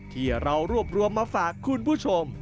ที่เรารวบรวมมาฝากคุณผู้ชม